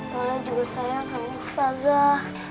tuli juga sayang sama ustazah